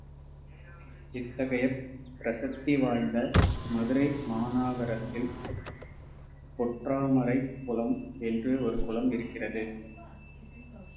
இத்தகையப் பிரசித்திவாய்ந்த மதுரை மாநாகரத்தில் பொற்றாமரைக் குளம் என்று ஒரு குளம் இருக்கிறது.